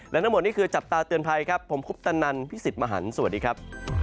และทั้งหมดนี่คือจับตาเตือนภัยครับผมคุปตนันพี่สิทธิ์มหันฯสวัสดีครับ